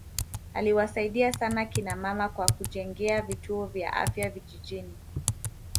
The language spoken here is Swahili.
aliwasaidia sana kina mama kwa kujengea vituo vya afya vijijini